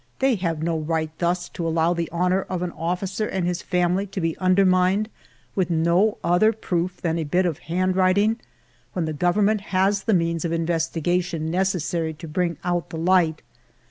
They have no right thus to allow the honor of an officer and his family to be undermined with no other proof than a bit of handwriting, when the government has the means of investigation necessary to bring out the light.